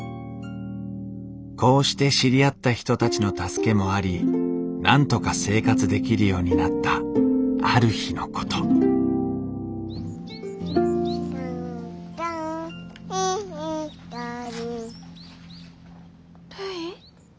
こうして知り合った人たちの助けもありなんとか生活できるようになったある日のこと「カムカムエヴリバディ」るい？